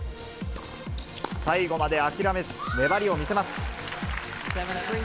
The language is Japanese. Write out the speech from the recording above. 最後まで諦めず、粘りを見せます。